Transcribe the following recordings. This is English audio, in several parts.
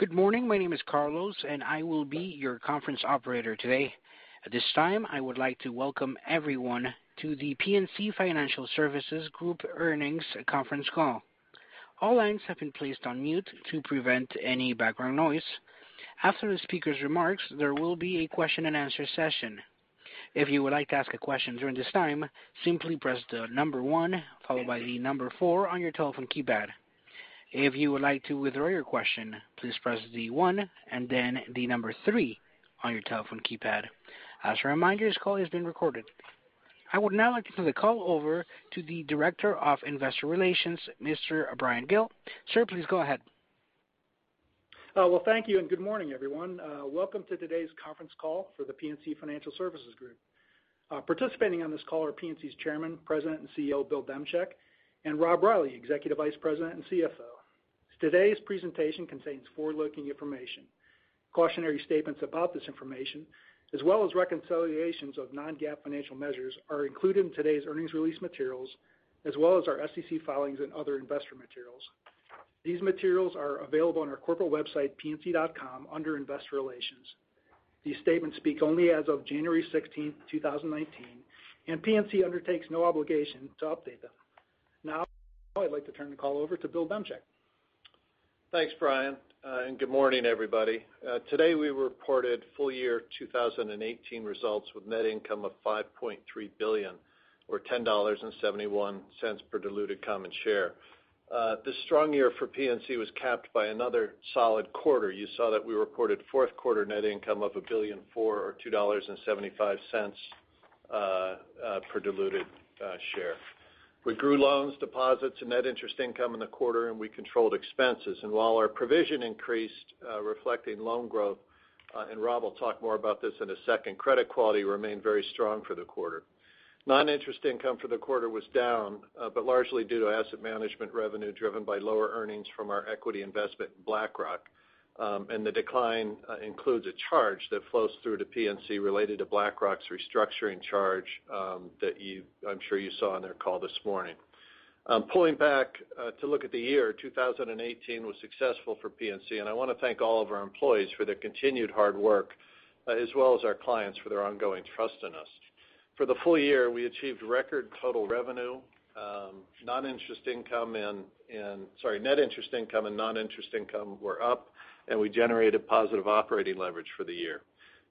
Good morning. My name is Carlos, and I will be your conference operator today. At this time, I would like to welcome everyone to The PNC Financial Services Group earnings conference call. All lines have been placed on mute to prevent any background noise. After the speaker's remarks, there will be a question and answer session. If you would like to ask a question during this time, simply press the number one, followed by the number four on your telephone keypad. If you would like to withdraw your question, please press the one and then the number three on your telephone keypad. As a reminder, this call is being recorded. I would now like to turn the call over to the Director of Investor Relations, Mr. Bryan Gill. Sir, please go ahead. Well, thank you. Good morning, everyone. Welcome to today's conference call for The PNC Financial Services Group. Participating on this call are PNC's Chairman, President, and CEO, Bill Demchak, and Rob Reilly, Executive Vice President and CFO. Today's presentation contains forward-looking information. Cautionary statements about this information, as well as reconciliations of non-GAAP financial measures, are included in today's earnings release materials, as well as our SEC filings and other investor materials. These materials are available on our corporate website, pnc.com, under Investor Relations. These statements speak only as of January 16th, 2019, and PNC undertakes no obligation to update them. I'd like to turn the call over to Bill Demchak. Thanks, Bryan. Good morning, everybody. Today, we reported full year 2018 results with net income of $5.3 billion, or $10.71 per diluted common share. This strong year for PNC was capped by another solid quarter. You saw that we reported fourth quarter net income of $1.4 billion, or $2.75 per diluted share. We grew loans, deposits, and net interest income in the quarter. We controlled expenses. While our provision increased, reflecting loan growth, and Rob will talk more about this in a second, credit quality remained very strong for the quarter. Non-interest income for the quarter was down, but largely due to asset management revenue driven by lower earnings from our equity investment in BlackRock. The decline includes a charge that flows through to PNC related to BlackRock's restructuring charge that I'm sure you saw on their call this morning. Pulling back to look at the year, 2018 was successful for PNC. I want to thank all of our employees for their continued hard work, as well as our clients for their ongoing trust in us. For the full year, we achieved record total revenue. Net interest income and non-interest income were up. We generated positive operating leverage for the year.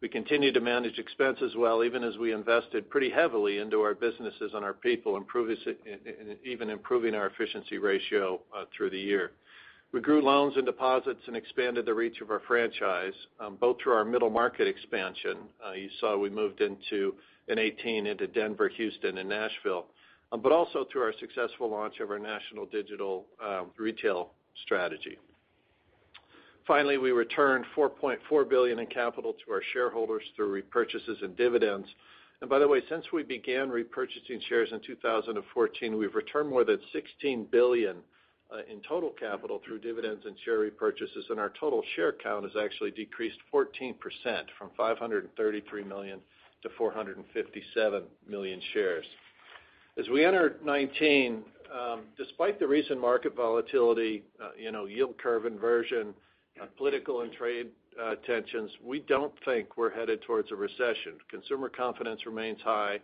We continued to manage expenses well, even as we invested pretty heavily into our businesses and our people, even improving our efficiency ratio through the year. We grew loans and deposits and expanded the reach of our franchise, both through our middle market expansion, you saw we moved into, in 2018, into Denver, Houston, and Nashville, also through our successful launch of our national digital retail strategy. Finally, we returned $4.4 billion in capital to our shareholders through repurchases and dividends. By the way, since we began repurchasing shares in 2014, we've returned more than $16 billion in total capital through dividends and share repurchases, and our total share count has actually decreased 14%, from 533 million-457 million shares. As we enter 2019, despite the recent market volatility, yield curve inversion, political and trade tensions, we don't think we're headed towards a recession. Consumer confidence remains high,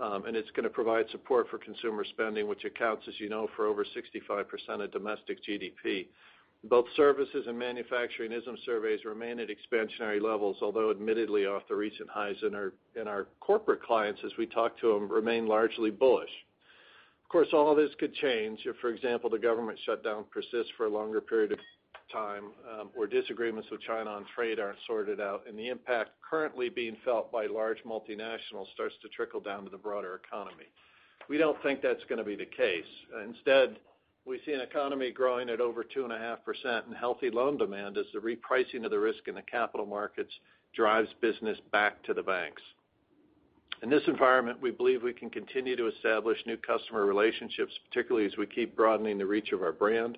and it's going to provide support for consumer spending, which accounts, as you know, for over 65% of domestic GDP. Both services and manufacturing ISM surveys remain at expansionary levels, although admittedly off the recent highs, and our corporate clients, as we talk to them, remain largely bullish. Of course, all this could change if, for example, the government shutdown persists for a longer period of time, or disagreements with China on trade aren't sorted out, and the impact currently being felt by large multinationals starts to trickle down to the broader economy. We don't think that's going to be the case. Instead, we see an economy growing at over 2.5% and healthy loan demand as the repricing of the risk in the capital markets drives business back to the banks. In this environment, we believe we can continue to establish new customer relationships, particularly as we keep broadening the reach of our brand.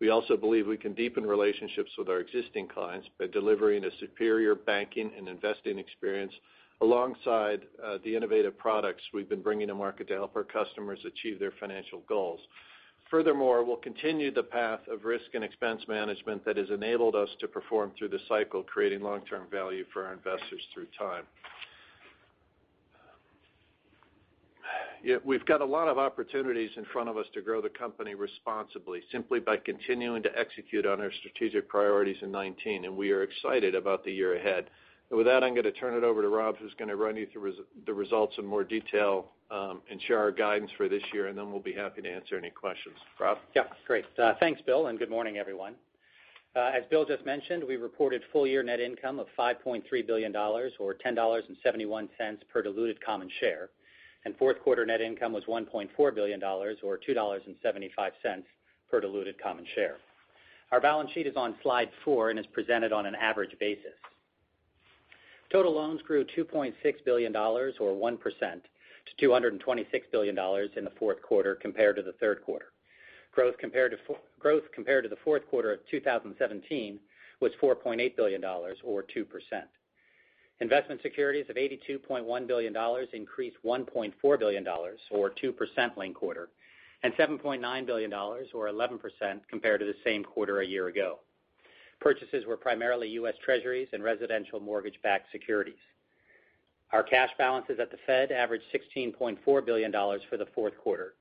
We also believe we can deepen relationships with our existing clients by delivering a superior banking and investing experience alongside the innovative products we've been bringing to market to help our customers achieve their financial goals. Furthermore, we'll continue the path of risk and expense management that has enabled us to perform through the cycle, creating long-term value for our investors through time. We've got a lot of opportunities in front of us to grow the company responsibly, simply by continuing to execute on our strategic priorities in 2019, and we are excited about the year ahead. With that, I'm going to turn it over to Rob, who's going to run you through the results in more detail, and share our guidance for this year, and then we'll be happy to answer any questions. Rob? Yeah. Great. Thanks, Bill, and good morning, everyone. As Bill just mentioned, we reported full-year net income of $5.3 billion, or $10.71 per diluted common share, and fourth quarter net income was $1.4 billion, or $2.75 per diluted common share. Our balance sheet is on slide four and is presented on an average basis. Total loans grew $2.6 billion, or 1%, to $226 billion in the fourth quarter compared to the third quarter. Growth compared to the fourth quarter of 2017 was $4.8 billion, or 2%. Investment securities of $82.1 billion increased $1.4 billion, or 2% linked quarter, and $7.9 billion, or 11%, compared to the same quarter a year ago. Purchases were primarily U.S. Treasuries and residential mortgage-backed securities. Our cash balances at the Fed averaged $16.4 billion for the fourth quarter,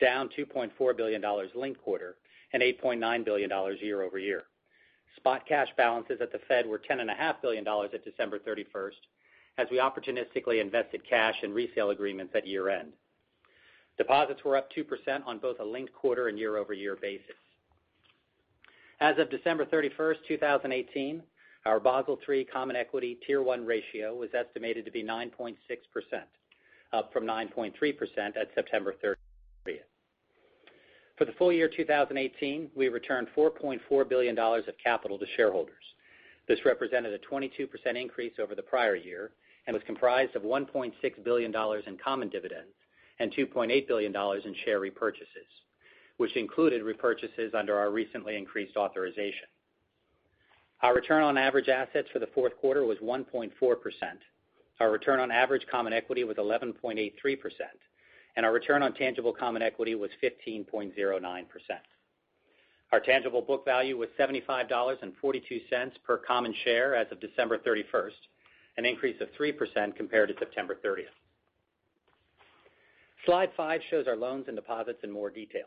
down $2.4 billion linked quarter and $8.9 billion year-over-year. Spot cash balances at the Fed were $10.5 billion at December 31, as we opportunistically invested cash and resale agreements at year-end. Deposits were up 2% on both a linked quarter and year-over-year basis. As of December 31st, 2018, our Basel III Common Equity Tier 1 ratio was estimated to be 9.6%, up from 9.3% at September 30. For the full year 2018, we returned $4.4 billion of capital to shareholders. This represented a 22% increase over the prior year and was comprised of $1.6 billion in common dividends and $2.8 billion in share repurchases, which included repurchases under our recently increased authorization. Our return on average assets for the fourth quarter was 1.4%. Our return on average common equity was 11.83%, and our return on tangible common equity was 15.09%. Our tangible book value was $75.42 per common share as of December 31st, an increase of 3% compared to September 30. Slide five shows our loans and deposits in more detail.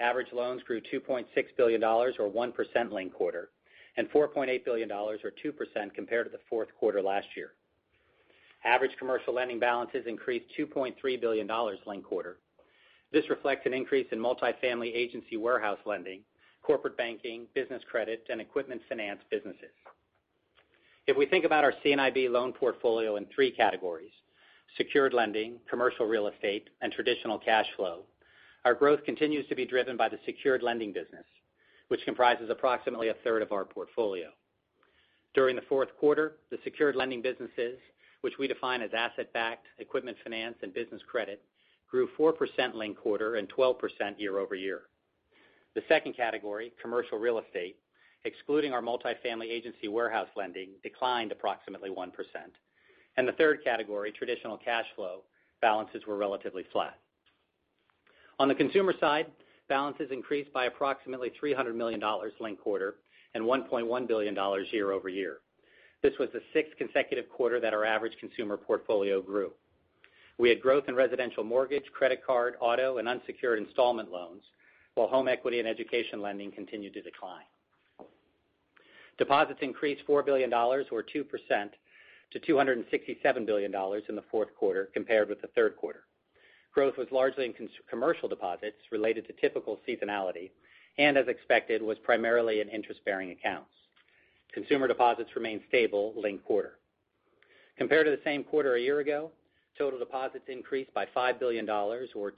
Average loans grew $2.6 billion, or 1% linked quarter, and $4.8 billion, or 2%, compared to the fourth quarter last year. Average commercial lending balances increased $2.3 billion linked quarter. This reflects an increase in multifamily agency warehouse lending, corporate banking, business credit, and equipment finance businesses. If we think about our C&IB loan portfolio in three categories, secured lending, commercial real estate, and traditional cash flow, our growth continues to be driven by the secured lending business, which comprises approximately 1/3 of our portfolio. During the fourth quarter, the secured lending businesses, which we define as asset-backed, equipment finance, and business credit, grew 4% linked quarter and 12% year-over-year. The 2nd category, commercial real estate, excluding our multifamily agency warehouse lending, declined approximately 1%. The third category, traditional cash flow, balances were relatively flat. On the consumer side, balances increased by approximately $300 million linked quarter and $1.1 billion year-over-year. This was the sixth consecutive quarter that our average consumer portfolio grew. We had growth in residential mortgage, credit card, auto, and unsecured installment loans, while home equity and education lending continued to decline. Deposits increased $4 billion, or 2%, to $267 billion in the fourth quarter compared with the third quarter. Growth was largely in commercial deposits related to typical seasonality and, as expected, was primarily in interest-bearing accounts. Consumer deposits remained stable linked quarter. Compared to the same quarter a year ago, total deposits increased by $5 billion, or 2%,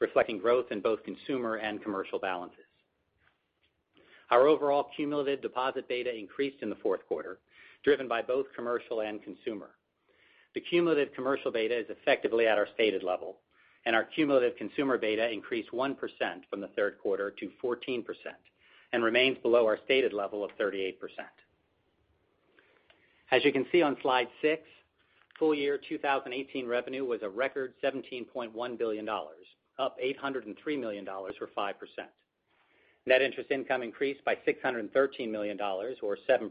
reflecting growth in both consumer and commercial balances. Our overall cumulative deposit beta increased in the fourth quarter, driven by both commercial and consumer. The cumulative commercial beta is effectively at our stated level, and our cumulative consumer beta increased 1% from the third quarter to 14% and remains below our stated level of 38%. As you can see on slide six, full year 2018 revenue was a record $17.1 billion, up $803 million, or 5%. Net interest income increased by $613 million, or 7%,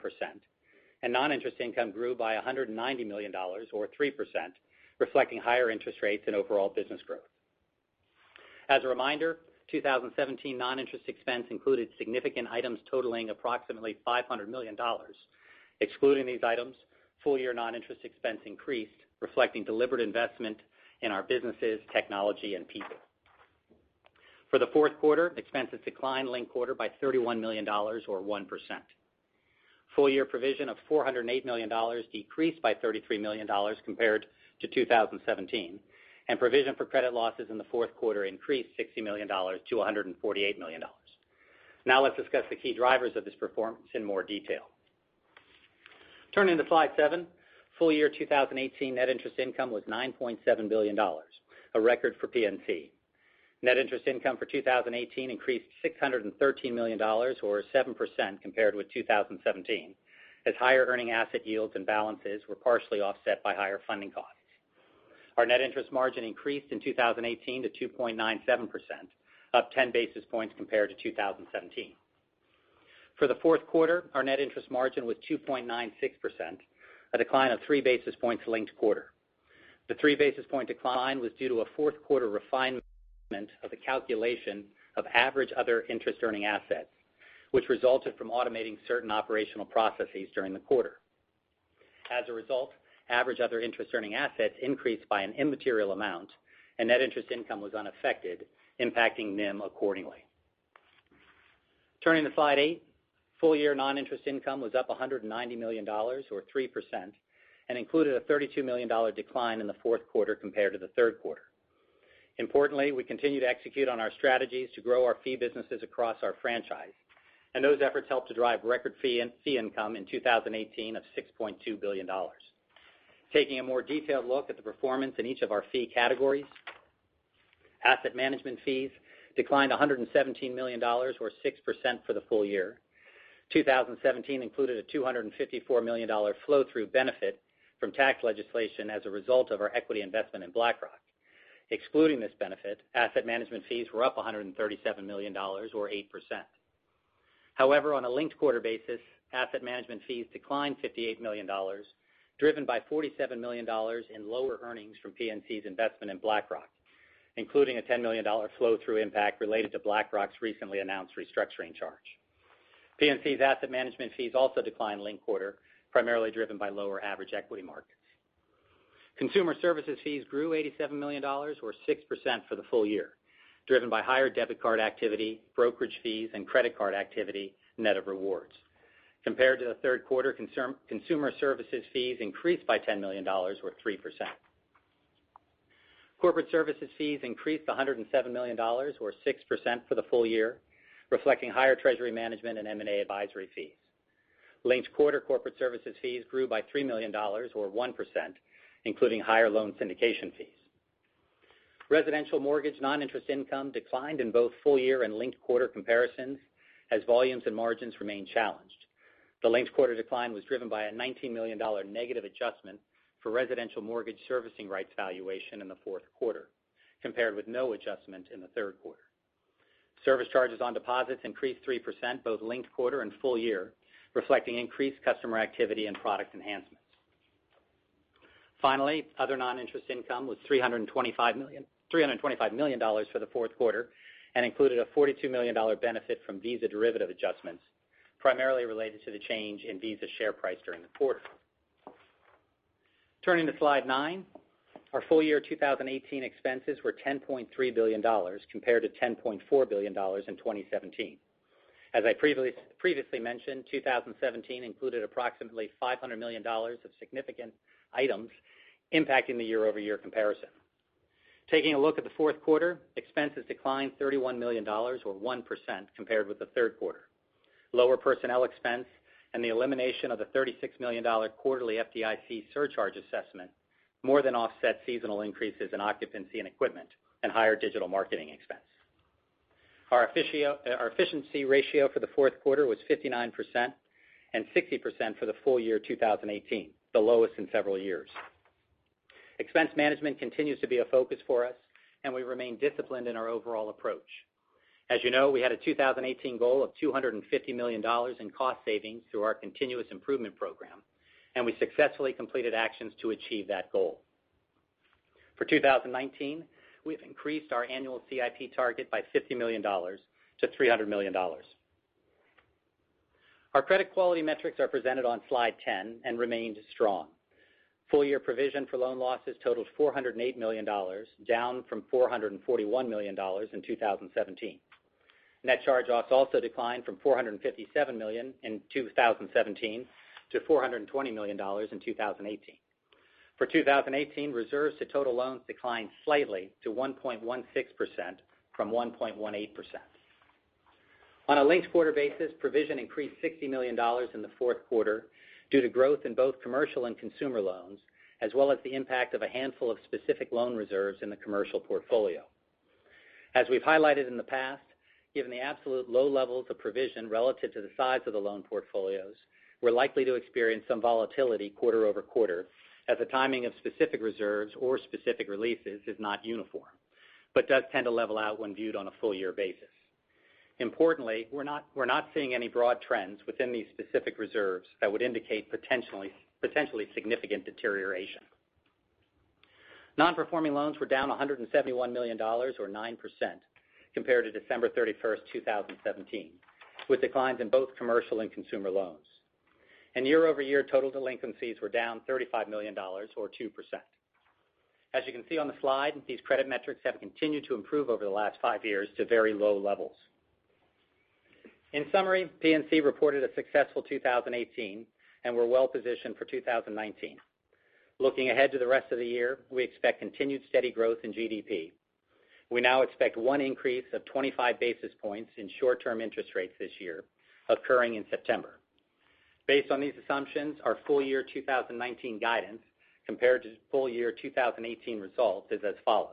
and non-interest income grew by $190 million, or 3%, reflecting higher interest rates and overall business growth. As a reminder, 2017 non-interest expense included significant items totaling approximately $500 million. Excluding these items, full-year non-interest expense increased, reflecting deliberate investment in our businesses, technology, and people. For the fourth quarter, expenses declined linked-quarter by $31 million, or 1%. Full-year provision of $408 million decreased by $33 million compared to 2017, and provision for credit losses in the fourth quarter increased $60 million-$148 million. Let's discuss the key drivers of this performance in more detail. Turning to slide seven. Full year 2018 net interest income was $9.7 billion, a record for PNC. Net interest income for 2018 increased $613 million, or 7%, compared with 2017, as higher earning asset yields and balances were partially offset by higher funding costs. Our net interest margin increased in 2018 to 2.97%, up 10 basis points compared to 2017. For the fourth quarter, our net interest margin was 2.96%, a decline of 3 basis points linked-quarter. The 3 basis point decline was due to a fourth quarter refinement of the calculation of average other interest-earning assets, which resulted from automating certain operational processes during the quarter. As a result, average other interest-earning assets increased by an immaterial amount, and net interest income was unaffected, impacting NIM accordingly. Turning to slide eight. Full-year non-interest income was up $190 million, or 3%, and included a $32 million decline in the fourth quarter compared to the third quarter. Importantly, we continue to execute on our strategies to grow our fee businesses across our franchise, those efforts helped to drive record fee income in 2018 of $6.2 billion. Taking a more detailed look at the performance in each of our fee categories. Asset management fees declined $117 million, or 6%, for the full year. 2017 included a $254 million flow-through benefit from tax legislation as a result of our equity investment in BlackRock. Excluding this benefit, asset management fees were up $137 million, or 8%. However, on a linked-quarter basis, asset management fees declined $58 million, driven by $47 million in lower earnings from PNC's investment in BlackRock, including a $10 million flow-through impact related to BlackRock's recently announced restructuring charge. PNC's asset management fees also declined linked-quarter, primarily driven by lower average equity markets. Consumer services fees grew $87 million, or 6%, for the full year, driven by higher debit card activity, brokerage fees, and credit card activity, net of rewards. Compared to the third quarter, consumer services fees increased by $10 million, or 3%. Corporate services fees increased $107 million, or 6%, for the full year, reflecting higher treasury management and M&A advisory fees. Linked-quarter corporate services fees grew by $3 million, or 1%, including higher loan syndication fees. Residential mortgage non-interest income declined in both full-year and linked-quarter comparisons, as volumes and margins remain challenged. The linked-quarter decline was driven by a $19 million negative adjustment for residential mortgage servicing rights valuation in the fourth quarter, compared with no adjustment in the third quarter. Service charges on deposits increased 3%, both linked-quarter and full year, reflecting increased customer activity and product enhancements. Other non-interest income was $325 million for the fourth quarter and included a $42 million benefit from Visa derivative adjustments, primarily related to the change in Visa's share price during the quarter. Turning to slide nine, our full-year 2018 expenses were $10.3 billion compared to $10.4 billion in 2017. As I previously mentioned, 2017 included approximately $500 million of significant items impacting the year-over-year comparison. Taking a look at the fourth quarter, expenses declined $31 million, or 1%, compared with the third quarter. Lower personnel expense and the elimination of the $36 million quarterly FDIC surcharge assessment more than offset seasonal increases in occupancy and equipment and higher digital marketing expense. Our efficiency ratio for the fourth quarter was 59% and 60% for the full year 2018, the lowest in several years. Expense management continues to be a focus for us, and we remain disciplined in our overall approach. As you know, we had a 2018 goal of $250 million in cost savings through our continuous improvement program. We successfully completed actions to achieve that goal. For 2019, we've increased our annual CIP target by $50 million-$300 million. Our credit quality metrics are presented on slide 10 and remained strong. Full-year provision for loan losses totaled $408 million, down from $441 million in 2017. Net charge-offs also declined from $457 million in 2017 to $420 million in 2018. For 2018, reserves to total loans declined slightly to 1.16% from 1.18%. On a linked-quarter basis, provision increased $60 million in the fourth quarter due to growth in both commercial and consumer loans, as well as the impact of a handful of specific loan reserves in the commercial portfolio. As we've highlighted in the past, given the absolute low levels of provision relative to the size of the loan portfolios, we're likely to experience some volatility quarter-over-quarter as the timing of specific reserves or specific releases is not uniform, but does tend to level out when viewed on a full-year basis. Importantly, we're not seeing any broad trends within these specific reserves that would indicate potentially significant deterioration. Non-performing loans were down $171 million, or 9%, compared to December 31st, 2017, with declines in both commercial and consumer loans. Year-over-year total delinquencies were down $35 million, or 2%. As you can see on the slide, these credit metrics have continued to improve over the last five years to very low levels. In summary, PNC reported a successful 2018. We're well-positioned for 2019. Looking ahead to the rest of the year, we expect continued steady growth in GDP. We now expect one increase of 25 basis points in short-term interest rates this year, occurring in September. Based on these assumptions, our full-year 2019 guidance, compared to full-year 2018 results, is as follows.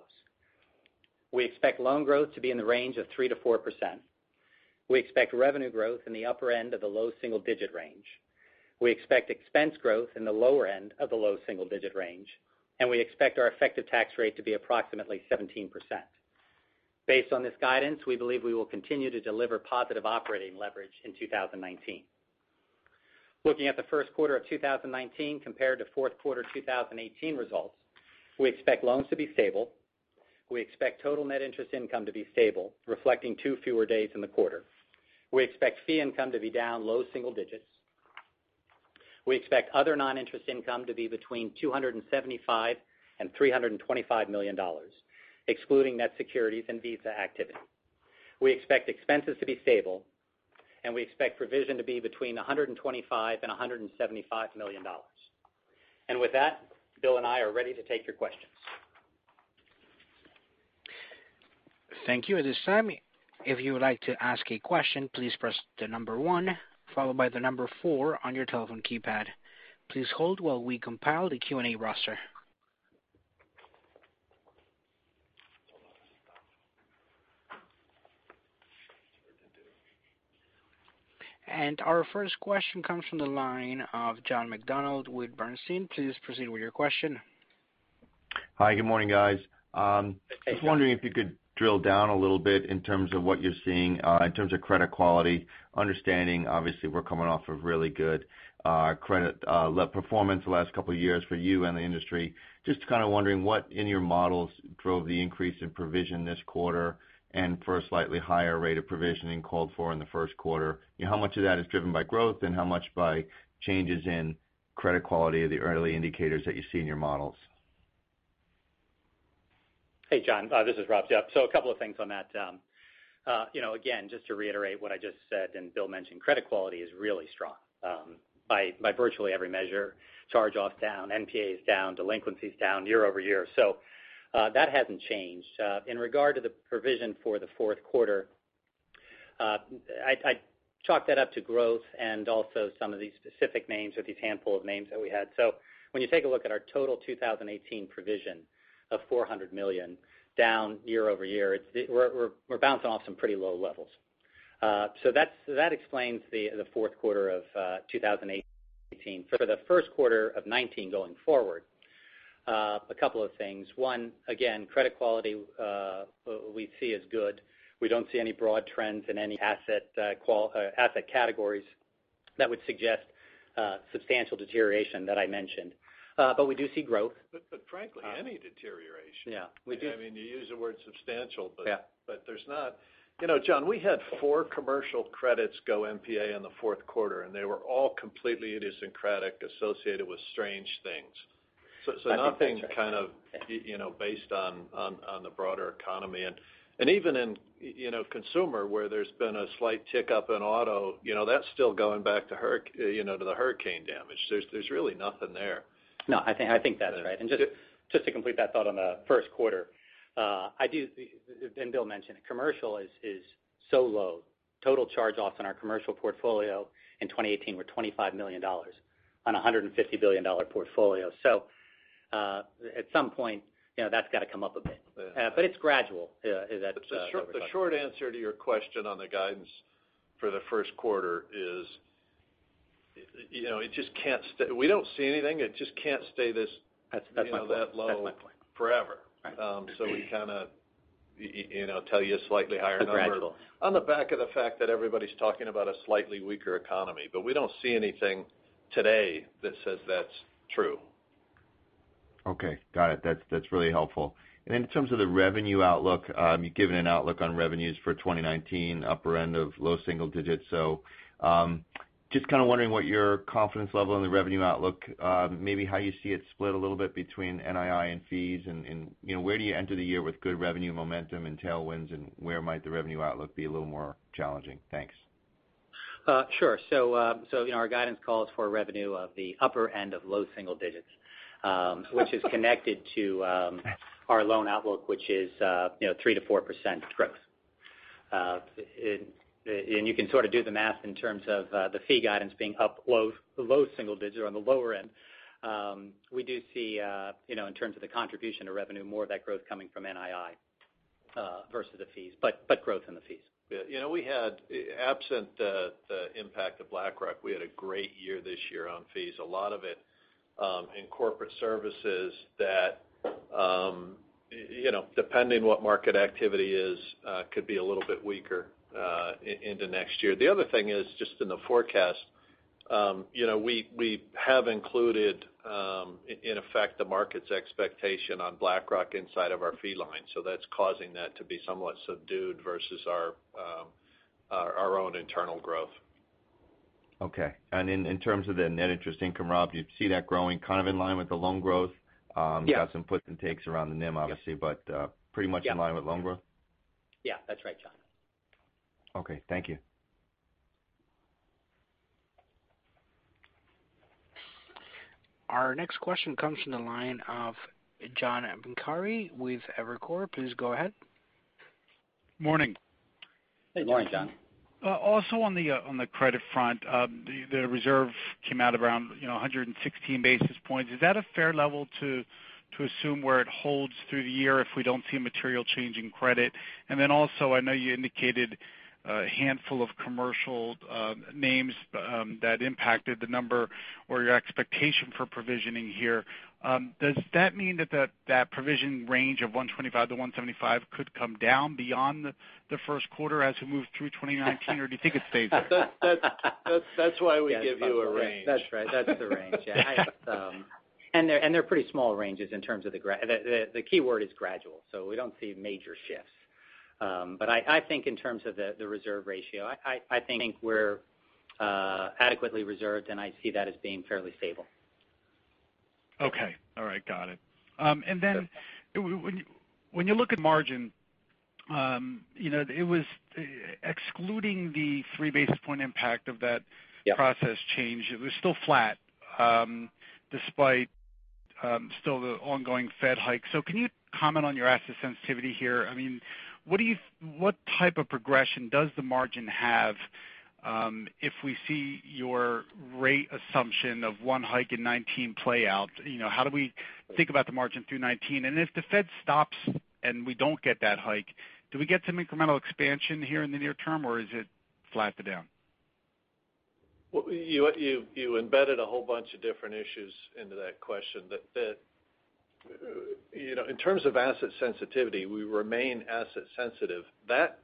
We expect loan growth to be in the range of 3%-4%. We expect revenue growth in the upper end of the low single-digit range. We expect expense growth in the lower end of the low single-digit range. We expect our effective tax rate to be approximately 17%. Based on this guidance, we believe we will continue to deliver positive operating leverage in 2019. Looking at the first quarter of 2019 compared to fourth quarter 2018 results, we expect loans to be stable. We expect total net interest income to be stable, reflecting two fewer days in the quarter. We expect fee income to be down low single digits. We expect other non-interest income to be between $275 and $325 million, excluding net securities and Visa activity. We expect expenses to be stable, and we expect provision to be between $125 and $175 million. With that, Bill and I are ready to take your questions. Thank you. At this time, if you would like to ask a question, please press the number one followed by the number four on your telephone keypad. Please hold while we compile the Q&A roster. Our first question comes from the line of John McDonald with Bernstein. Please proceed with your question. Hi. Good morning, guys. Hey, John. Just wondering if you could drill down a little bit in terms of what you're seeing in terms of credit quality. Understanding, obviously, we're coming off a really good credit performance the last couple of years for you and the industry. Just kind of wondering what in your models drove the increase in provision this quarter and for a slightly higher rate of provisioning called for in the first quarter. How much of that is driven by growth and how much by changes in credit quality of the early indicators that you see in your models? Hey, John. This is Rob. Yep. A couple of things on that. Again, just to reiterate what I just said and Bill mentioned, credit quality is really strong by virtually every measure. Charge-offs down, NPAs down, delinquencies down year-over-year. That hasn't changed. In regard to the provision for the fourth quarter, I chalk that up to growth and also some of these specific names or these handful of names that we had. When you take a look at our total 2018 provision of $400 million down year-over-year, we're bouncing off some pretty low levels. That explains the fourth quarter of 2018. For the first quarter of 2019 going forward, a couple of things. One, again, credit quality we see as good. We don't see any broad trends in any asset categories that would suggest substantial deterioration that I mentioned. We do see growth. Frankly, any deterioration. Yeah. We do. You use the word substantial. Yeah. John, we had four commercial credits go NPA in the fourth quarter, and they were all completely idiosyncratic, associated with strange things. I think that's right. Nothing kind of based on the broader economy. Even in consumer, where there's been a slight tick up in auto, that's still going back to the hurricane damage. There's really nothing there. No, I think that is right. Yeah. Just to complete that thought on the first quarter, and Bill mentioned it, commercial is so low. Total charge-offs on our commercial portfolio in 2018 were $25 million on a $150 billion portfolio. At some point, that's got to come up a bit. Yeah. It's gradual, that recovery. The short answer to your question on the guidance for the first quarter is we don't see anything. It just can't stay that low. That's my point. Forever. Right. We kind of tell you a slightly higher number. A gradual. On the back of the fact that everybody's talking about a slightly weaker economy. We don't see anything today that says that's true. Okay. Got it. That's really helpful. In terms of the revenue outlook, you've given an outlook on revenues for 2019, upper end of low single digits. Just kind of wondering what your confidence level on the revenue outlook, maybe how you see it split a little bit between NII and fees, and where do you enter the year with good revenue momentum and tailwinds, and where might the revenue outlook be a little more challenging? Thanks. Sure. Our guidance calls for revenue of the upper end of low single digits, which is connected to our loan outlook, which is 3%-4% growth. You can sort of do the math in terms of the fee guidance being up low single digits or on the lower end. We do see, in terms of the contribution to revenue, more of that growth coming from NII versus the fees, but growth in the fees. Yeah. Absent the impact of BlackRock, we had a great year this year on fees, a lot of it in corporate services that depending on what market activity is could be a little bit weaker into next year. The other thing is, just in the forecast, we have included, in effect, the market's expectation on BlackRock inside of our fee line. That's causing that to be somewhat subdued versus our own internal growth. Okay. In terms of the net interest income, Rob, do you see that growing kind of in line with the loan growth? Yeah. You've got some puts and takes around the NIM, obviously, Yeah. Pretty much in line with loan growth? Yeah, that's right, John. Okay. Thank you. Our next question comes from the line of John Pancari with Evercore. Please go ahead. Morning. Hey. Morning, John. Also on the credit front, the reserve came out around 116 basis points. Is that a fair level to assume where it holds through the year if we don't see a material change in credit? Also, I know you indicated a handful of commercial names that impacted the number or your expectation for provisioning here. Does that mean that provision range of 125-175 could come down beyond the first quarter as we move through 2019? Do you think it stays there? That's why we give you a range. That's right. That's the range. Yeah. They're pretty small ranges in terms of the keyword is gradual. We don't see major shifts. I think in terms of the reserve ratio, I think we're adequately reserved, and I see that as being fairly stable. Okay. All right. Got it. Yeah. When you look at margin, excluding the 3 basis point impact of that- Yeah. process change, it was still flat despite still the ongoing Fed hike. Can you comment on your asset sensitivity here? What type of progression does the margin have if we see your rate assumption of one hike in 2019 play out? How do we think about the margin through 2019? If the Fed stops and we don't get that hike, do we get some incremental expansion here in the near term, or is it flat to down? You embedded a whole bunch of different issues into that question. In terms of asset sensitivity, we remain asset sensitive. That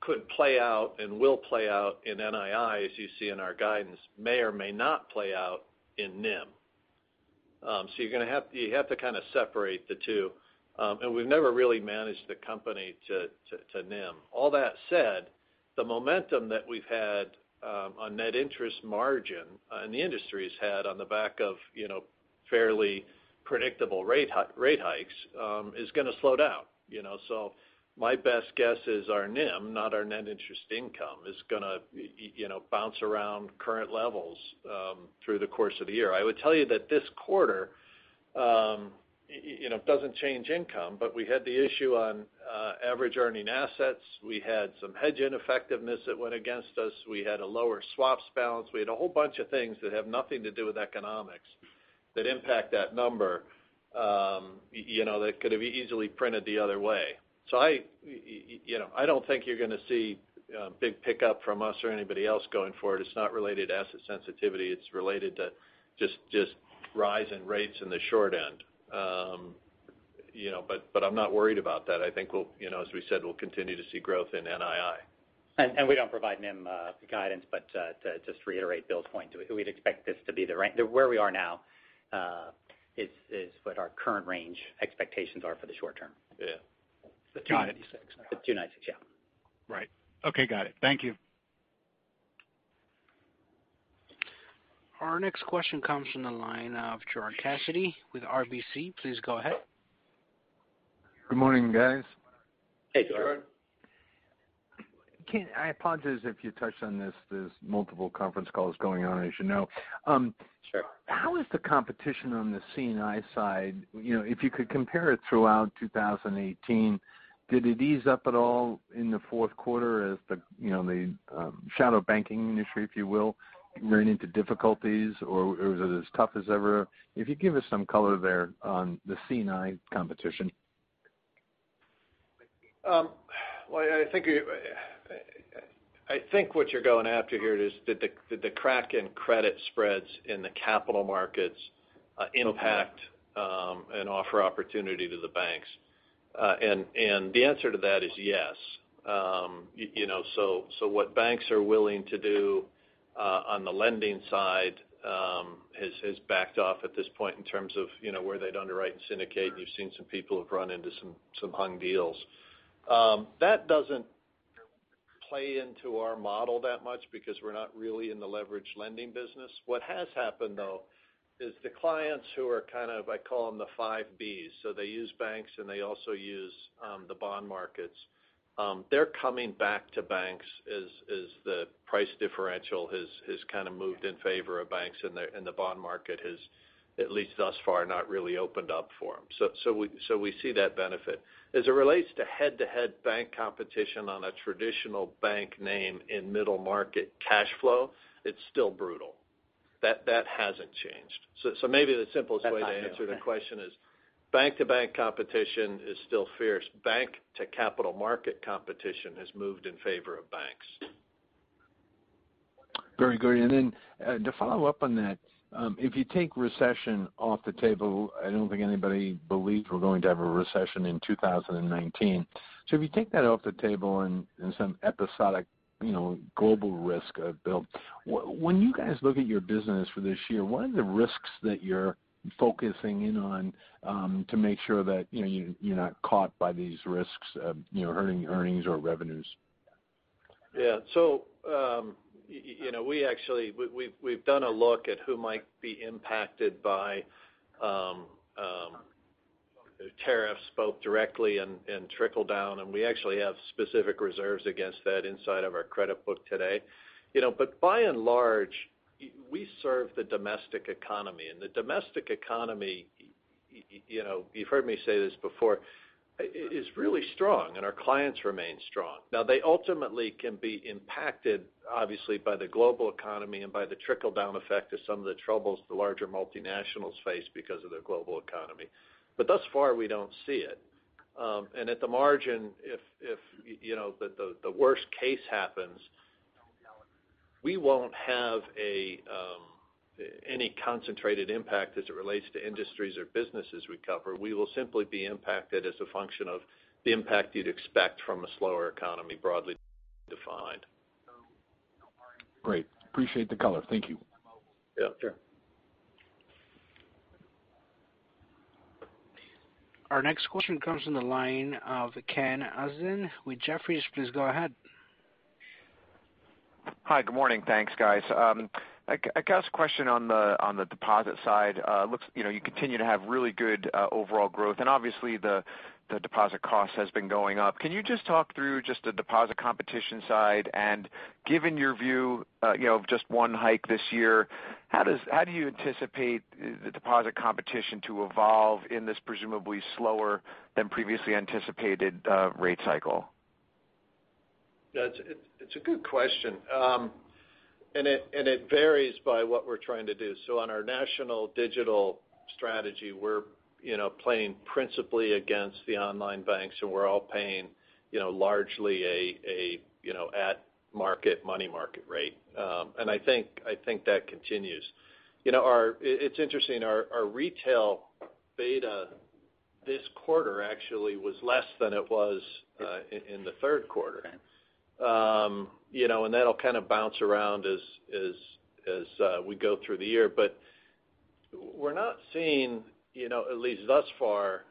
could play out and will play out in NII, as you see in our guidance, may or may not play out in NIM. You have to kind of separate the two. We've never really managed the company to NIM. All that said, the momentum that we've had on net interest margin, and the industry's had on the back of fairly predictable rate hikes, is going to slow down. My best guess is our NIM, not our net interest income, is going to bounce around current levels through the course of the year. I would tell you that this quarter, it doesn't change income, but we had the issue on average earning assets. We had some hedge ineffectiveness that went against us. We had a lower swaps balance. We had a whole bunch of things that have nothing to do with economics that impact that number, that could have easily printed the other way. I don't think you're going to see a big pickup from us or anybody else going forward. It's not related to asset sensitivity. It's related to just rise in rates in the short end. I'm not worried about that. I think as we said, we'll continue to see growth in NII. We don't provide NIM guidance, but to just reiterate Bill's point, we'd expect this to be the range. Where we are now is what our current range expectations are for the short term. Yeah. The 296. The 296, yeah. Right. Okay, got it. Thank you. Our next question comes from the line of Gerard Cassidy with RBC. Please go ahead. Good morning, guys. Hey, Gerard. I apologize if you touched on this. There's multiple conference calls going on, as you know. Sure. How is the competition on the C&I side? If you could compare it throughout 2018, did it ease up at all in the fourth quarter as the shadow banking industry, if you will, ran into difficulties, or was it as tough as ever? If you could give us some color there on the C&I competition. I think what you're going after here is did the crack in credit spreads in the capital markets impact and offer opportunity to the banks. The answer to that is yes. What banks are willing to do on the lending side has backed off at this point in terms of where they'd underwrite and syndicate, and you've seen some people have run into some hung deals. That doesn't play into our model that much because we're not really in the leverage lending business. What has happened though is the clients who are kind of, I call them the five Bs. They use banks and they also use the bond markets. They're coming back to banks as the price differential has kind of moved in favor of banks and the bond market has, at least thus far, not really opened up for them. We see that benefit. As it relates to head-to-head bank competition on a traditional bank name in middle market cash flow, it's still brutal. That hasn't changed. Maybe the simplest way to answer the question is bank-to-bank competition is still fierce. Bank-to-capital market competition has moved in favor of banks. Very good. To follow up on that, if you take recession off the table, I don't think anybody believes we're going to have a recession in 2019. If you take that off the table and some episodic global risk build, when you guys look at your business for this year, what are the risks that you're focusing in on to make sure that you're not caught by these risks, hurting earnings or revenues? Yeah. We've done a look at who might be impacted by tariffs both directly and trickle down, and we actually have specific reserves against that inside of our credit book today. By and large, we serve the domestic economy. The domestic economy, you've heard me say this before, is really strong and our clients remain strong. Now, they ultimately can be impacted, obviously, by the global economy and by the trickle-down effect of some of the troubles the larger multinationals face because of the global economy. Thus far, we don't see it. At the margin, if the worst case happens, we won't have any concentrated impact as it relates to industries or businesses we cover. We will simply be impacted as a function of the impact you'd expect from a slower economy broadly defined. Great. Appreciate the color. Thank you. Yeah, sure. Our next question comes from the line of Ken Usdin with Jefferies. Please go ahead. Hi, good morning. Thanks, guys. I guess a question on the deposit side. You continue to have really good overall growth, and obviously the deposit cost has been going up. Can you just talk through just the deposit competition side, and given your view of just one hike this year. How do you anticipate the deposit competition to evolve in this presumably slower than previously anticipated rate cycle? It varies by what we're trying to do. On our national digital strategy, we're playing principally against the online banks, and we're all paying largely a, at market money market rate. I think that continues. It's interesting, our retail beta this quarter actually was less than it was in the third quarter. Okay. That'll kind of bounce around as we go through the year. We're not seeing, at least thus far,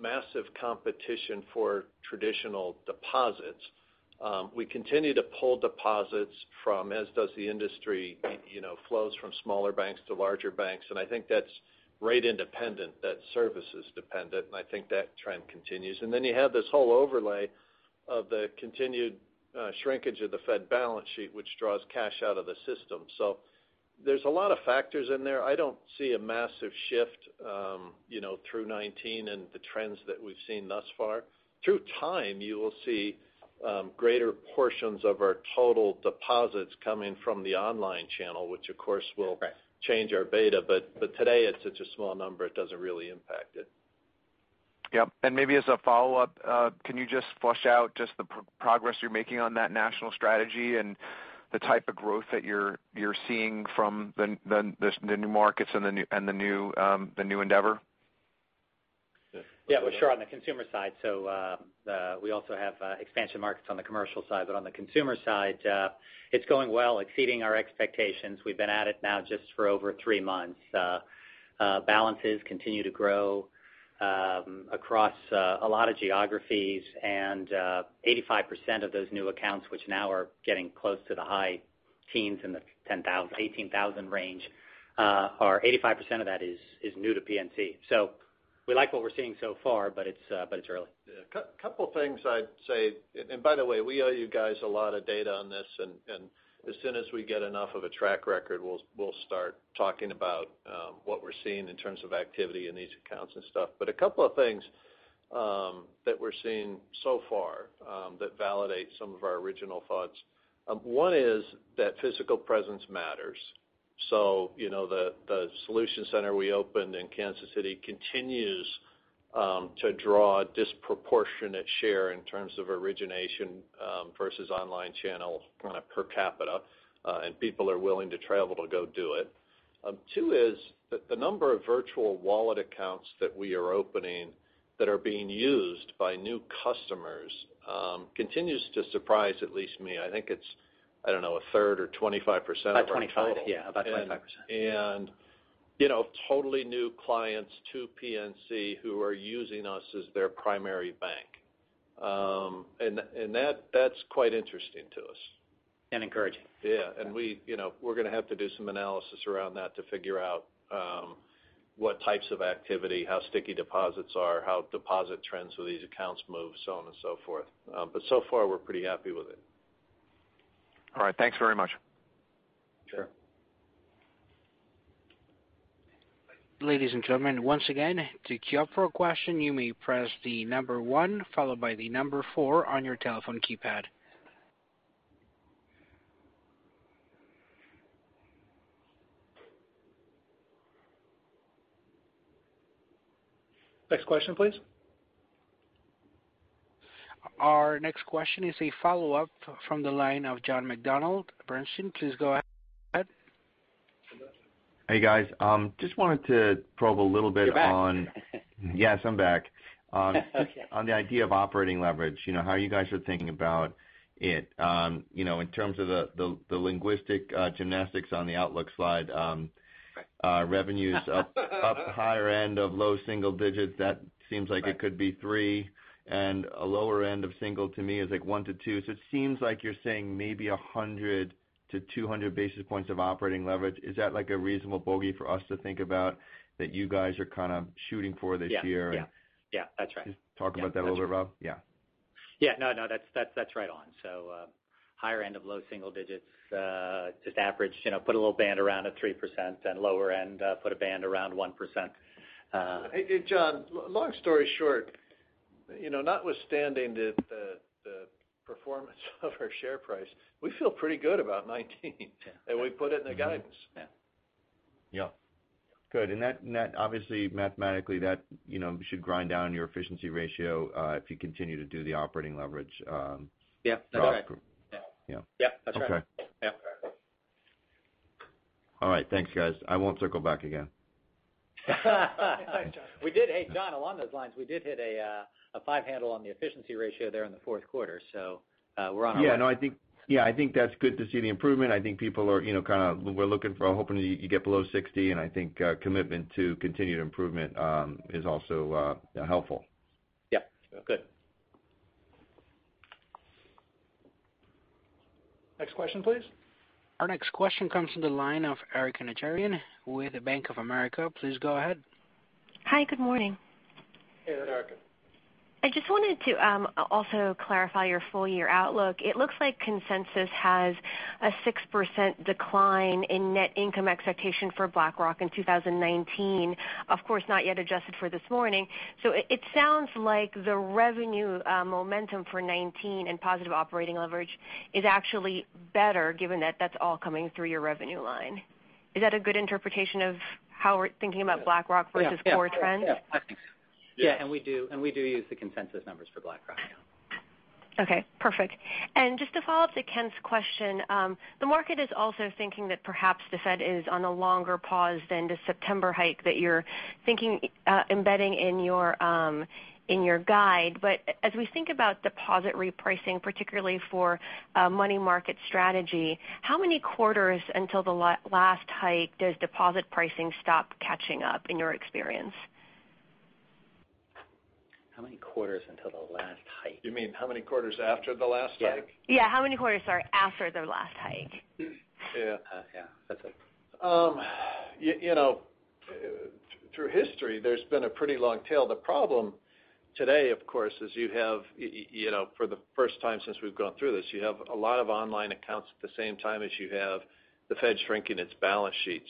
massive competition for traditional deposits. We continue to pull deposits from, as does the industry, flows from smaller banks to larger banks, and I think that's rate independent, that service is dependent, and I think that trend continues. You have this whole overlay of the continued shrinkage of the Fed balance sheet, which draws cash out of the system. There's a lot of factors in there. I don't see a massive shift through 2019 and the trends that we've seen thus far. Through time, you will see greater portions of our total deposits coming from the online channel, which of course will- Right. change our beta. Today, it's such a small number, it doesn't really impact it. Yep. Maybe as a follow-up, can you just flush out just the progress you're making on that national strategy and the type of growth that you're seeing from the new markets and the new endeavor? Yeah. Well, sure. On the consumer side, we also have expansion markets on the commercial side, on the consumer side, it's going well, exceeding our expectations. We've been at it now just for over three months. Balances continue to grow across a lot of geographies, and 85% of those new accounts, which now are getting close to the high teens in the 18,000 range, 85% of that is new to PNC. We like what we're seeing so far, but it's early. A couple of things I'd say, by the way, we owe you guys a lot of data on this, as soon as we get enough of a track record, we'll start talking about what we're seeing in terms of activity in these accounts and stuff. A couple of things that we're seeing so far that validate some of our original thoughts. One is that physical presence matters. The solution center we opened in Kansas City continues to draw a disproportionate share in terms of origination versus online channel kind of per capita, and people are willing to travel to go do it. Two is that the number of Virtual Wallet accounts that we are opening that are being used by new customers continues to surprise at least me. I think it's, I don't know, 1/3 or 25% of our total. About 25. Yeah, about 25%. Totally new clients to PNC who are using us as their primary bank. That's quite interesting to us. Encouraging. Yeah. We're going to have to do some analysis around that to figure out what types of activity, how sticky deposits are, how deposit trends with these accounts move, so on and so forth. So far, we're pretty happy with it. All right. Thanks very much. Sure. Ladies and gentlemen, once again, to queue up for a question, you may press the number one followed by the number four on your telephone keypad. Next question, please. Our next question is a follow-up from the line of John McDonald, Bernstein. Please go ahead. Hey, guys. Just wanted to probe a little bit on. You're back. Yes, I'm back. Okay. On the idea of operating leverage, how you guys are thinking about it. In terms of the linguistic gymnastics on the outlook slide- Right. revenues up higher end of low single digits. That seems like it could be three, a lower end of single to me is like one to two. It seems like you're saying maybe 100-200 basis points of operating leverage. Is that like a reasonable bogey for us to think about that you guys are kind of shooting for this year? Yeah. That's right. Can you talk about that a little bit, Rob? Yeah. Yeah. No, that's right on. Higher end of low single digits, just average, put a little band around it, 3%, and lower end, put a band around 1%. Hey, John, long story short, notwithstanding the performance of our share price, we feel pretty good about 2019. We put it in the guidance. Yeah. Yeah. Good. That obviously mathematically, that should grind down your efficiency ratio if you continue to do the operating leverage. Yeah, that's right. Progress. Yeah. Yeah. Yep, that's right. Okay. Yeah. All right. Thanks, guys. I won't circle back again. Thanks, John. Hey, John, along those lines, we did hit a five handle on the efficiency ratio there in the fourth quarter, we're on our way. Yeah, I think that's good to see the improvement. I think people were looking for, hoping you get below 60, I think commitment to continued improvement is also helpful. Yep. Good. Next question, please. Our next question comes from the line of Erika Najarian with Bank of America. Please go ahead. Hi, good morning. Hey there, Erika. I just wanted to also clarify your full-year outlook. It looks like consensus has a 6% decline in net income expectation for BlackRock in 2019. Of course, not yet adjusted for this morning. It sounds like the revenue momentum for 2019 and positive operating leverage is actually better, given that that's all coming through your revenue line. Is that a good interpretation of how we're thinking about BlackRock versus core trends? Yeah. I think so. Yeah. Yeah. We do use the consensus numbers for BlackRock now. Okay, perfect. Just to follow up to Ken's question, the market is also thinking that perhaps the Fed is on a longer pause than the September hike that you're embedding in your guide. As we think about deposit repricing, particularly for money market strategy, how many quarters until the last hike does deposit pricing stop catching up, in your experience? How many quarters until the last hike? You mean how many quarters after the last hike? Yeah. How many quarters, sorry, after the last hike? Yeah. Yeah. That's it. Through history, there's been a pretty long tail. The problem today, of course, is you have, for the first time since we've gone through this, you have a lot of online accounts at the same time as you have the Fed shrinking its balance sheet.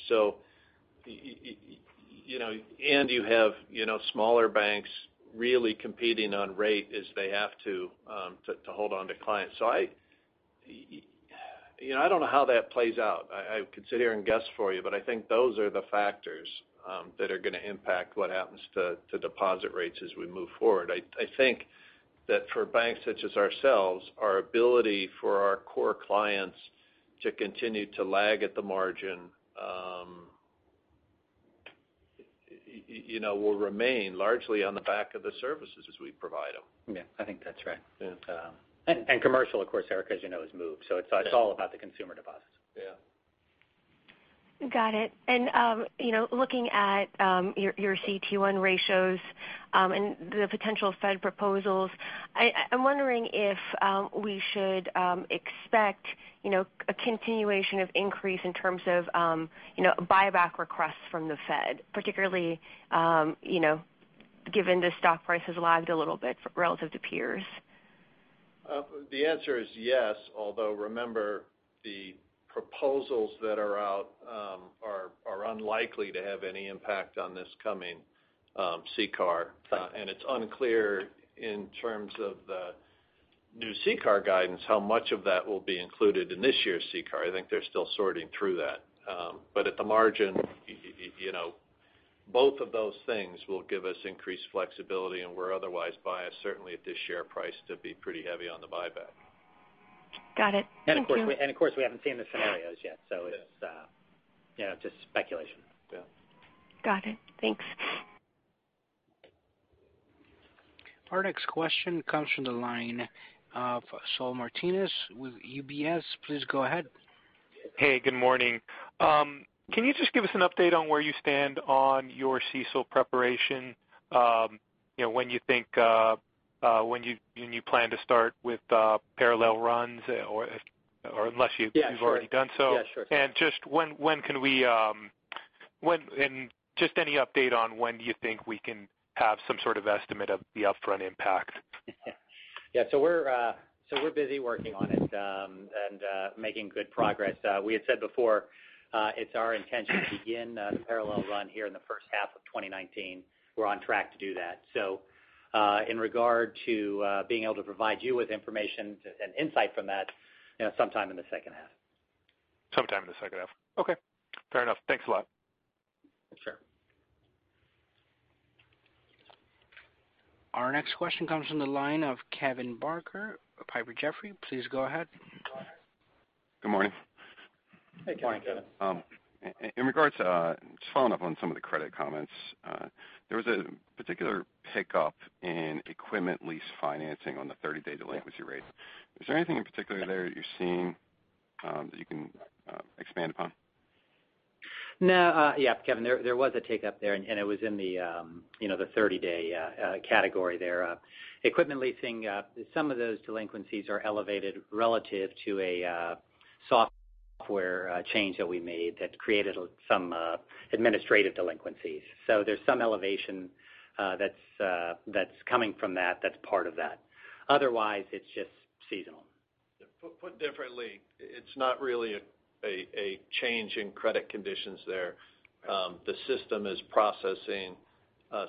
You have smaller banks really competing on rate as they have to hold onto clients. I don't know how that plays out. I could sit here and guess for you, I think those are the factors that are going to impact what happens to deposit rates as we move forward. I think that for banks such as ourselves, our ability for our core clients to continue to lag at the margin will remain largely on the back of the services we provide them. Yeah, I think that's right. Yeah. Commercial, of course, Erika, as you know, has moved. It's all about the consumer deposits. Yeah. Got it. Looking at your CET1 ratios, and the potential Fed proposals, I'm wondering if we should expect a continuation of increase in terms of buyback requests from the Fed, particularly given the stock price has lagged a little bit relative to peers. The answer is yes. Although, remember, the proposals that are out are unlikely to have any impact on this coming CCAR. It's unclear in terms of the new CCAR guidance how much of that will be included in this year's CCAR. I think they're still sorting through that. At the margin, both of those things will give us increased flexibility, and we're otherwise biased, certainly at this share price, to be pretty heavy on the buyback. Got it. Thank you. Of course, we haven't seen the scenarios yet, so it's just speculation. Yeah. Got it. Thanks. Our next question comes from the line of Saul Martinez with UBS. Please go ahead. Hey, good morning. Can you just give us an update on where you stand on your CECL preparation? When you plan to start with parallel runs or unless you've already done so. Yeah, sure. Just any update on when you think we can have some sort of estimate of the upfront impact? Yeah. We're busy working on it and making good progress. We had said before it's our intention to begin a parallel run here in the first half of 2019. We're on track to do that. In regard to being able to provide you with information and insight from that, sometime in the second half. Sometime in the second half. Okay. Fair enough. Thanks a lot. Sure. Our next question comes from the line of Kevin Barker of Piper Jaffray. Please go ahead. Good morning. Hey, Kevin. Good morning, Kevin. Just following up on some of the credit comments. There was a particular tick-up in equipment lease financing on the 30-day delinquency rate. Is there anything in particular there that you're seeing that you can expand upon? Yeah, Kevin, there was a tick-up there, and it was in the 30-day category there. Equipment leasing, some of those delinquencies are elevated relative to a software change that we made that created some administrative delinquencies. There's some elevation that's coming from that. That's part of that. Otherwise, it's just seasonal. Put differently, it's not really a change in credit conditions there. The system is processing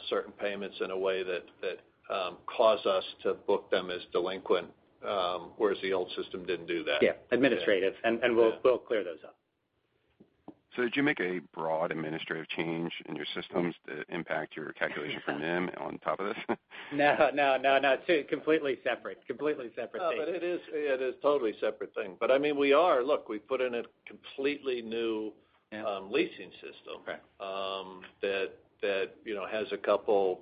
certain payments in a way that caused us to book them as delinquent, whereas the old system didn't do that. Yeah. Administrative. We'll clear those up. Did you make a broad administrative change in your systems to impact your calculation for NIM on top of this? No. It's completely separate thing. No, it is a totally separate thing. I mean, we are. Look, we put in a completely new leasing system. Okay. That has a couple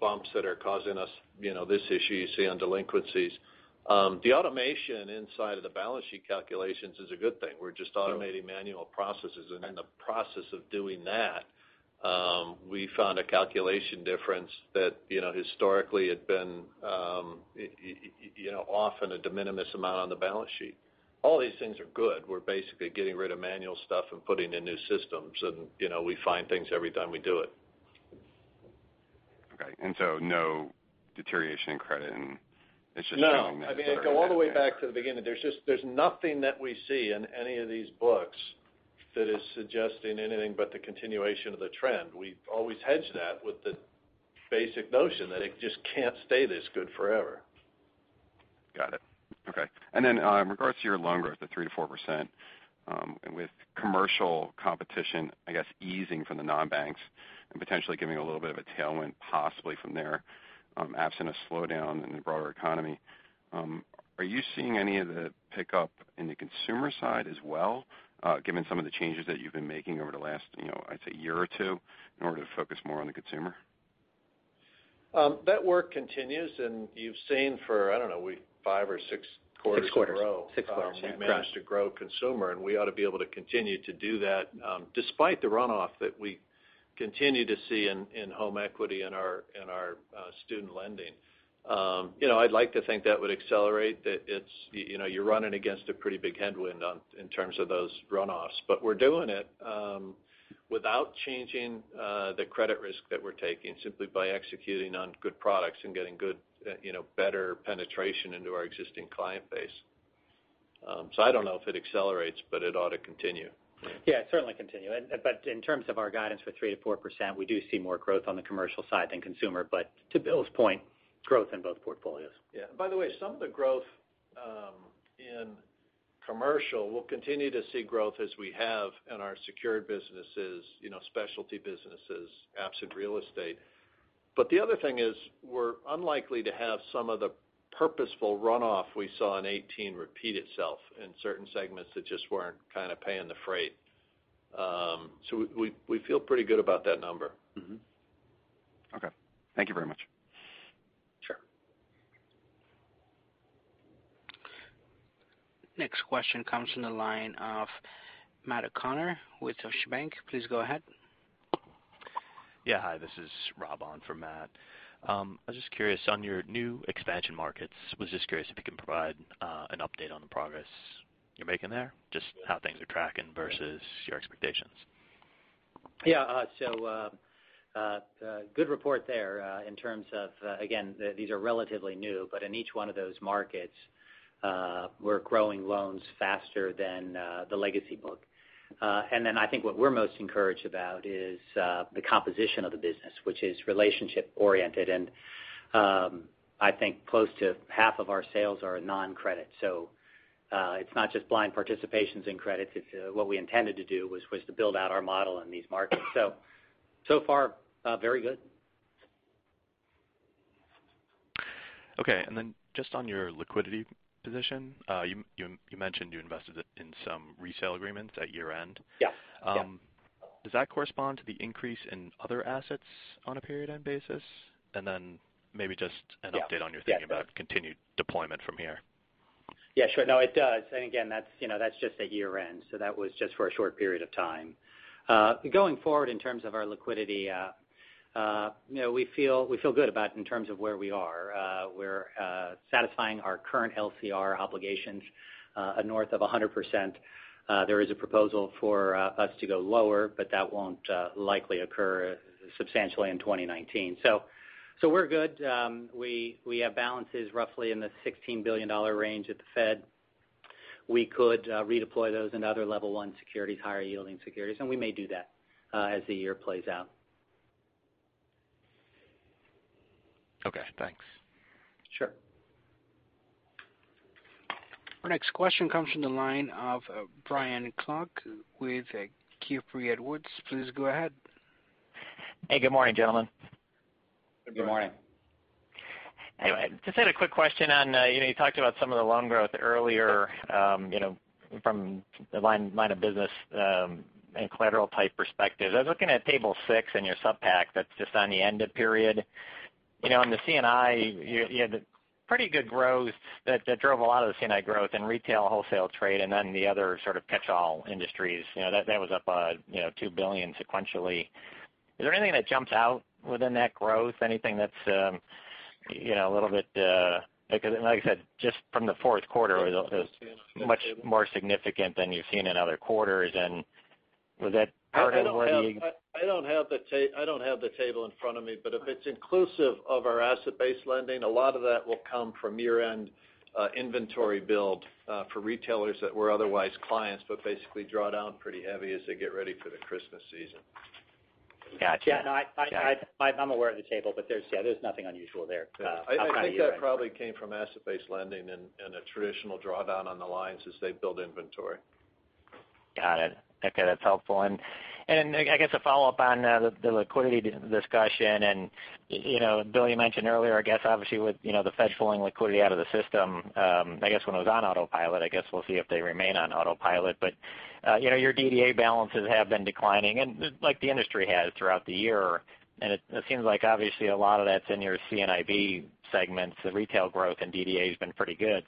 bumps that are causing us this issue you see on delinquencies. The automation inside of the balance sheet calculations is a good thing. We're just automating manual processes. In the process of doing that, we found a calculation difference that historically had been often a de minimis amount on the balance sheet. All these things are good. We're basically getting rid of manual stuff and putting in new systems, and we find things every time we do it. Okay. No deterioration in credit, and it's just being- No. I mean, go all the way back to the beginning. There's nothing that we see in any of these books that is suggesting anything but the continuation of the trend. We always hedge that with the basic notion that it just can't stay this good forever. Got it. Okay. In regards to your loan growth of 3%-4%, and with commercial competition, I guess, easing from the non-banks and potentially giving a little bit of a tailwind possibly from there, absent of slowdown in the broader economy. Are you seeing any of the pickup in the consumer side as well, given some of the changes that you've been making over the last, I'd say a year or two in order to focus more on the consumer? That work continues, and you've seen for, I don't know, five or six quarters in a row. Six quarters. We've managed to grow consumer, and we ought to be able to continue to do that, despite the runoff that we continue to see in home equity in our student lending. I'd like to think that would accelerate. You're running against a pretty big headwind in terms of those runoffs. We're doing it without changing the credit risk that we're taking simply by executing on good products and getting better penetration into our existing client base. I don't know if it accelerates, but it ought to continue. Yeah, certainly continue. In terms of our guidance for 3%-4%, we do see more growth on the commercial side than consumer. But to Bill's point, growth in both portfolios. Yeah. By the way, some of the growth in commercial, we'll continue to see growth as we have in our secured businesses, specialty businesses, absent real estate. The other thing is we're unlikely to have some of the purposeful runoff we saw in 2018 repeat itself in certain segments that just weren't kind of paying the freight. We feel pretty good about that number. Okay. Thank you very much. Sure. Next question comes from the line of Matt O'Connor with Deutsche Bank. Please go ahead. Yeah. Hi, this is Rob on for Matt. I was just curious on your new expansion markets. Was just curious if you can provide an update on the progress you're making there, just how things are tracking versus your expectations. Yeah. Good report there in terms of, again, these are relatively new, but in each one of those markets, we're growing loans faster than the legacy book. I think what we're most encouraged about is the composition of the business, which is relationship-oriented. I think close to half of our sales are non-credit. It's not just blind participations in credits. What we intended to do was to build out our model in these markets. So far very good. Okay. Just on your liquidity position, you mentioned you invested in some resale agreements at year-end. Yes. Does that correspond to the increase in other assets on a period end basis? Maybe just an update on your thinking about continued deployment from here. Yeah, sure. No, it does. Again, that's just a year-end, so that was just for a short period of time. Going forward, in terms of our liquidity, we feel good about it in terms of where we are. We're satisfying our current LCR obligations north of 100%. There is a proposal for us to go lower, that won't likely occur substantially in 2019. We're good. We have balances roughly in the $16 billion range at the Fed. We could redeploy those into other level one securities, higher yielding securities, and we may do that as the year plays out. Okay, thanks. Sure. Our next question comes from the line of Brian Klock with Keefe, Bruyette & Woods. Please go ahead. Hey, good morning, gentlemen. Good morning. Good morning. Just had a quick question on, you talked about some of the loan growth earlier from the line of business and collateral type perspective. I was looking at table six in your supplemental package that's just on the end of period. In the C&I, you had pretty good growth that drove a lot of the C&I growth in retail, wholesale trade, and then the other sort of catchall industries. That was up $2 billion sequentially. Is there anything that jumps out within that growth? Anything that's a little bit because like I said, just from the fourth quarter, it was much more significant than you've seen in other quarters. Was that part of what you... I don't have the table in front of me, if it's inclusive of our asset-based lending, a lot of that will come from year-end inventory build for retailers that were otherwise clients but basically draw down pretty heavy as they get ready for the Christmas season. Got you. Yeah. No, I'm aware of the table, but there's nothing unusual there. I think that probably came from asset-based lending and a traditional drawdown on the lines as they build inventory. Got it. Okay. That's helpful. I guess a follow-up on the liquidity discussion, and Bill, you mentioned earlier, I guess obviously with the Fed pulling liquidity out of the system, I guess when it was on autopilot, I guess we'll see if they remain on autopilot. Your DDA balances have been declining and like the industry has throughout the year, and it seems like obviously a lot of that's in your C&IB segments, the retail growth and DDA has been pretty good.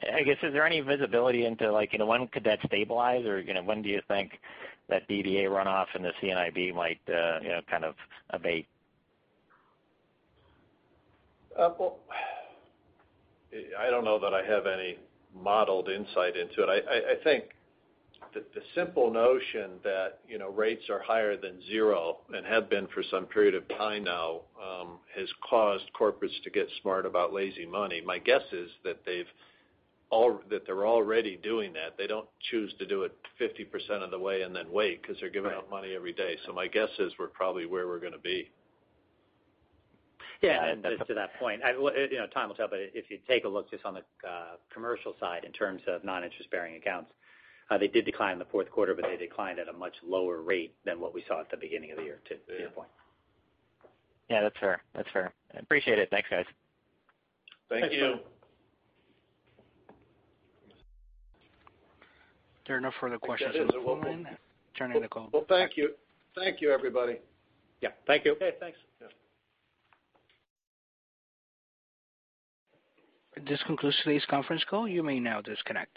I guess, is there any visibility into when could that stabilize or when do you think that DDA runoff and the C&IB might kind of abate? Well, I don't know that I have any modeled insight into it. I think the simple notion that rates are higher than zero and have been for some period of time now has caused corporates to get smart about lazy money. My guess is that they're already doing that. They don't choose to do it 50% of the way and then wait because they're giving out money every day. My guess is we're probably where we're going to be. Yeah. Just to that point, time will tell, but if you take a look just on the commercial side, in terms of non-interest-bearing accounts, how they did decline in the fourth quarter, but they declined at a much lower rate than what we saw at the beginning of the year to your point. Yeah, that's fair. Appreciate it. Thanks, guys. Thank you. Thank you. There are no further questions at this moment. Turning the call. Well, thank you. Thank you, everybody. Yeah. Thank you. Okay, thanks. Yeah. This concludes today's conference call. You may now disconnect.